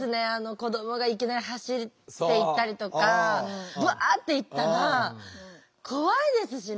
子どもがいきなり走っていったりとかバッて行ったら怖いですしね。